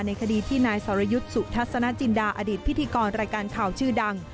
คดีที่นายสรยุทธ์สุทัศนจินดาอดีตพิธีกรรายการข่าวชื่อดัง